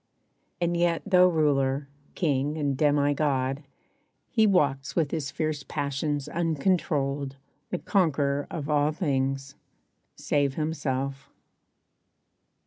And yet though ruler, king and demi god He walks with his fierce passions uncontrolled The conquerer of all things save himself.